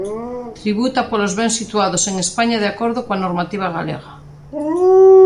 Tributa polos bens situados en España de acordo coa normativa galega.